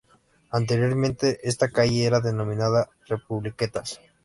Anteriormente, esta calle era denominada Republiquetas.